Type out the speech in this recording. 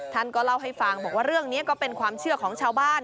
ท่านก็เล่าให้ฟังบอกว่าเรื่องนี้ก็เป็นความเชื่อของชาวบ้าน